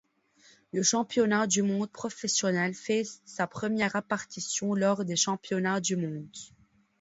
Le championnat du monde professionnel fait sa première apparition lors des championnats du monde.